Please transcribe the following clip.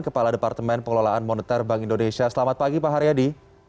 kepala departemen pengelolaan moneter bank indonesia selamat pagi pak haryadi